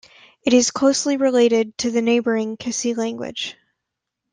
It is closely related to the neighboring Kissi language.